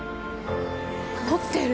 撮ってる。